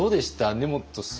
根本さん。